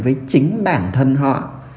với chính bản thân họ